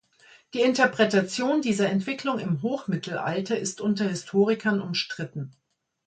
Die Interpretation dieser Entwicklung im Hochmittelalter ist unter Historikern umstritten.